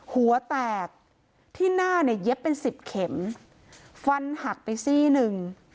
หัวแตกที่หน้าเนี่ยเย็บเป็นสิบเข็มฟันหักไปซี่หนึ่ง